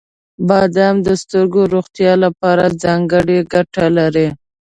• بادام د سترګو روغتیا لپاره ځانګړې ګټه لري.